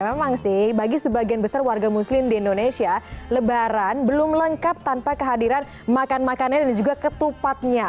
memang sih bagi sebagian besar warga muslim di indonesia lebaran belum lengkap tanpa kehadiran makan makannya dan juga ketupatnya